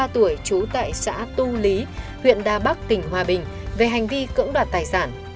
ba mươi tuổi trú tại xã tu lý huyện đà bắc tỉnh hòa bình về hành vi cưỡng đoạt tài sản